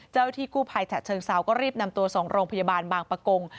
ที่กู้ภัยฉะเชิงเซาก็รีบนำตัวส่งโรงพยาบาลบางประกง